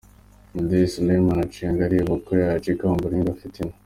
Mudeyi Suleiman acenga areba uko yacika Ombolenga Fitina.